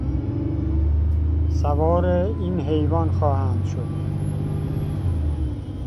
سوار این حیوان خواهند شد.